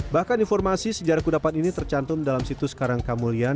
bahkan informasi sejarah kudapat ini tercantum dalam situs karangkamulyan